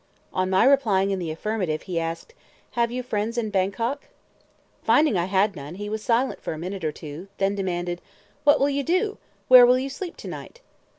On my replying in the affirmative, he asked, "Have you friends in Bangkok?" Finding I had none, he was silent for a minute or two; then demanded: "What will you do? Where will you sleep to night?"